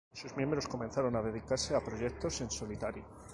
Sus miembros comenzaron a dedicarse a proyectos en solitario.